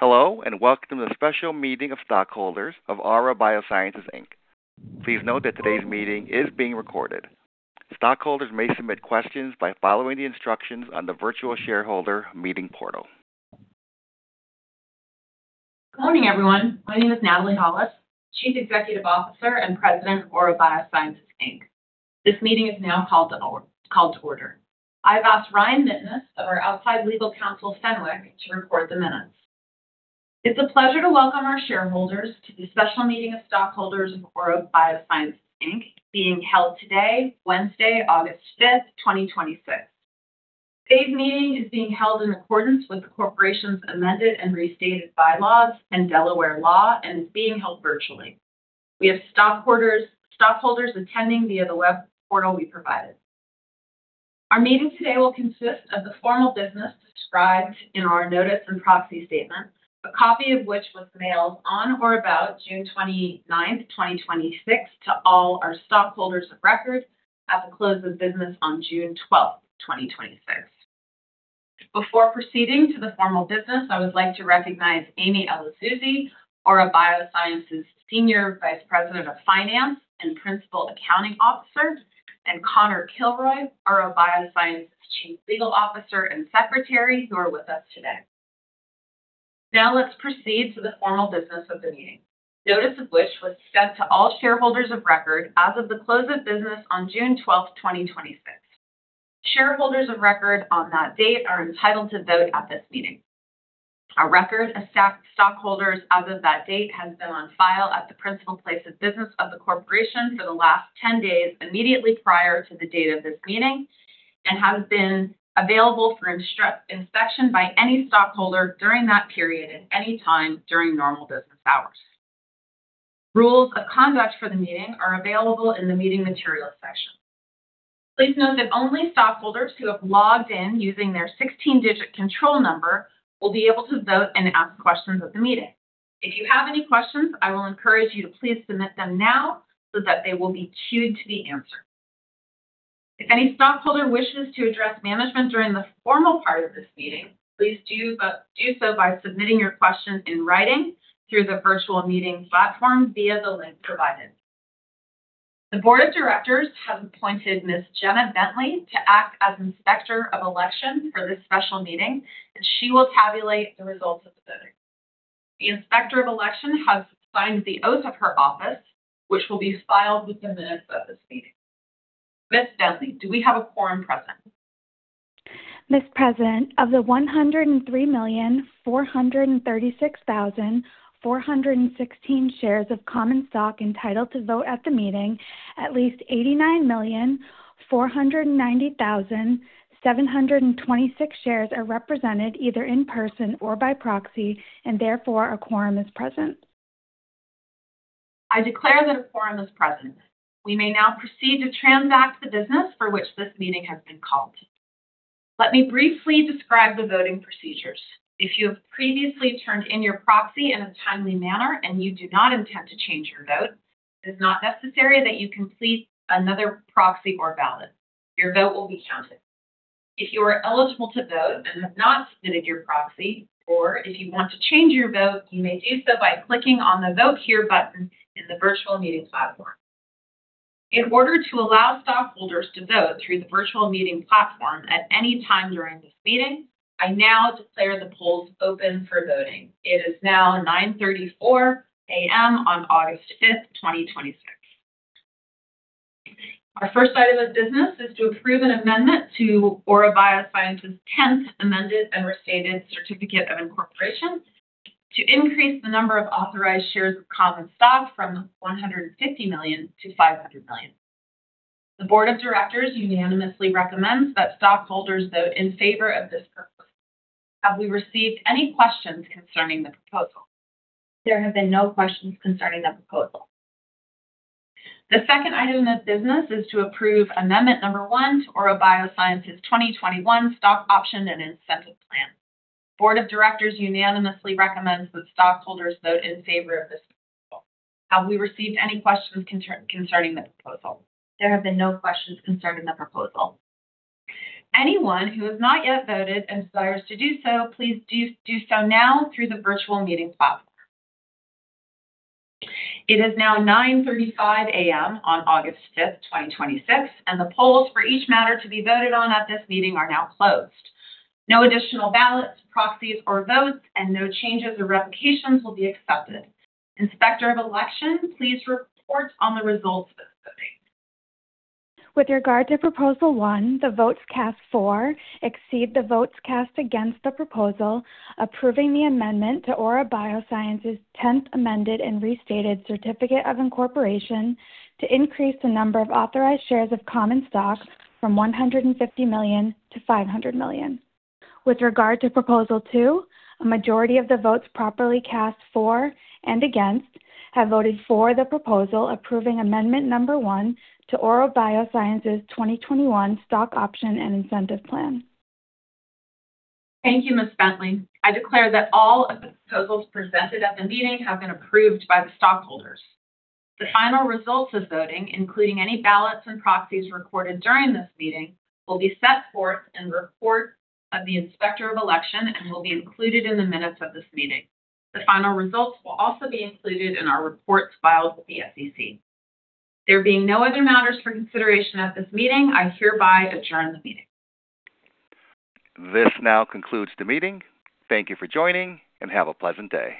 Hello, welcome to the special meeting of stockholders of Aura Biosciences, Inc. Please note that today's meeting is being recorded. Stockholders may submit questions by following the instructions on the virtual shareholder meeting portal. Good morning, everyone. My name is Natalie Holles, Chief Executive Officer and President of Aura Biosciences, Inc. This meeting is now called to order. I've asked Ryan Mitteness of our outside legal counsel, Fenwick, to record the minutes. It's a pleasure to welcome our shareholders to the special meeting of stockholders of Aura Biosciences, Inc., being held today, Wednesday, August 5th, 2026. Today's meeting is being held in accordance with the corporation's amended and restated bylaws and Delaware law and is being held virtually. We have stockholders attending via the web portal we provided. Our meeting today will consist of the formal business described in our notice and proxy statement, a copy of which was mailed on or about June 29th, 2026, to all our stockholders of record at the close of business on June 12th, 2026. Before proceeding to the formal business, I would like to recognize Amy Elazzouzi, Aura Biosciences' Senior Vice President of Finance and Principal Accounting Officer, and Conor Kilroy, Aura Biosciences' Chief Legal Officer and Secretary, who are with us today. Let's proceed to the formal business of the meeting, notice of which was sent to all shareholders of record as of the close of business on June 12th, 2026. Shareholders of record on that date are entitled to vote at this meeting. Our record of stockholders as of that date has been on file at the principal place of business of the corporation for the last 10 days immediately prior to the date of this meeting and has been available for inspection by any stockholder during that period at any time during normal business hours. Rules of conduct for the meeting are available in the meeting materials section. Please note that only stockholders who have logged in using their 16-digit control number will be able to vote and ask questions at the meeting. If you have any questions, I will encourage you to please submit them now so that they will be queued to be answered. If any stockholder wishes to address management during the formal part of this meeting, please do so by submitting your question in writing through the virtual meeting platform via the link provided. The board of directors have appointed Ms. Jenna Bentley to act as Inspector of Election for this special meeting. She will tabulate the results of the voting. The Inspector of Election has signed the oath of her office, which will be filed with the minutes of this meeting. Ms. Bentley, do we have a quorum present? Ms. President, of the 103,436,416 shares of common stock entitled to vote at the meeting, at least 89,490,726 shares are represented either in person or by proxy, and therefore a quorum is present. I declare that a quorum is present. We may now proceed to transact the business for which this meeting has been called. Let me briefly describe the voting procedures. If you have previously turned in your proxy in a timely manner and you do not intend to change your vote, it is not necessary that you complete another proxy or ballot. Your vote will be counted. If you are eligible to vote and have not submitted your proxy, or if you want to change your vote, you may do so by clicking on the Vote Here button in the virtual meeting platform. In order to allow stockholders to vote through the virtual meeting platform at any time during this meeting, I now declare the polls open for voting. It is now 9:34 A.M. on August 5th, 2026. Our first item of business is to approve an amendment to Aura Biosciences' Tenth Amended and Restated Certificate of Incorporation to increase the number of authorized shares of common stock from 150 million-500 million. The board of directors unanimously recommends that stockholders vote in favor of this proposal. Have we received any questions concerning the proposal? There have been no questions concerning the proposal. The second item of business is to approve amendment number 1 to Aura Biosciences 2021 Stock Option and Incentive Plan. Board of Directors unanimously recommends that stockholders vote in favor of this proposal. Have we received any questions concerning the proposal? There have been no questions concerning the proposal. Anyone who has not yet voted and desires to do so, please do so now through the virtual meeting platform. It is now 9:35 A.M. on August 5th, 2026, and the polls for each matter to be voted on at this meeting are now closed. No additional ballots, proxies, or votes and no changes or revocations will be accepted. Inspector of Election, please report on the results of this voting. With regard to proposal one, the votes cast for exceed the votes cast against the proposal, approving the amendment to Aura Biosciences Tenth Amended and Restated Certificate of Incorporation to increase the number of authorized shares of common stock from 150 million-500 million. With regard to proposal two, a majority of the votes properly cast for and against have voted for the proposal approving amendment number one to Aura Biosciences 2021 Stock Option and Incentive Plan. Thank you, Ms. Bentley. I declare that all of the proposals presented at the meeting have been approved by the stockholders. The final results of voting, including any ballots and proxies recorded during this meeting, will be set forth in the report of the Inspector of Election and will be included in the minutes of this meeting. The final results will also be included in our reports filed with the SEC. There being no other matters for consideration at this meeting, I hereby adjourn the meeting. This now concludes the meeting. Thank you for joining, and have a pleasant day.